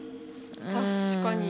確かに。